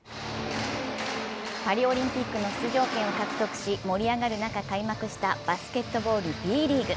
パリオリンピックの出場権を獲得し、盛り上がる中開催したバスケットボールＢリーグ。